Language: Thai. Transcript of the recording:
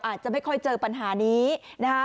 อาจจะไม่ค่อยเจอปัญหานี้นะคะ